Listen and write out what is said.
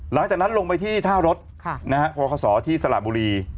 หลังจากนั้นลงไปที่ท่ารถพคศที่สระบุรี